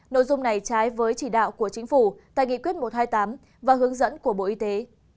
nội dung này trái với chỉ đạo của chính phủ tại nghị quyết một trăm hai mươi tám và hướng dẫn của bộ y tế